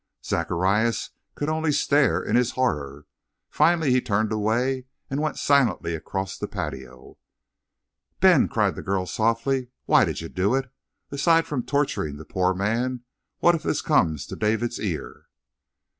Zacharias could only stare in his horror. Finally he turned away and went silently across the patio. "Ben," cried the girl softly, "why did you do it? Aside from torturing the poor man, what if this comes to David's ear?"